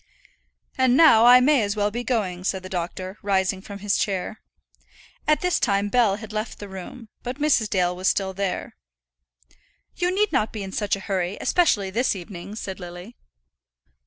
"And now I may as well be going," said the doctor, rising from his chair. At this time Bell had left the room, but Mrs. Dale was still there. "You need not be in such a hurry, especially this evening," said Lily.